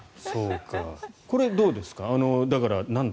これ、どうですか？